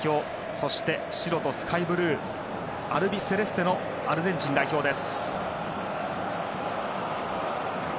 そして白とスカイブルーアルビセレステのアルゼンチン代表です。